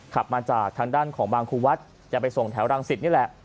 ขับมาจากทางด้านของบางครูวัดจะไปส่งแถวรังสิตนี่แหละ